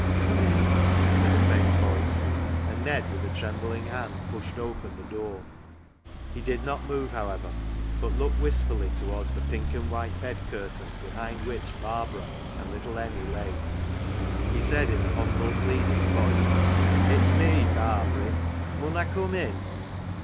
" Come in," said a faint voice, and Ned with a trembling hand pushed open the door. He did not move, however, but looked wistfully towards the pink and white bed curtains behind which Barbara and little Emmie lay, he said in a humble pleading voice —" It's me, Barbary, mun I cum in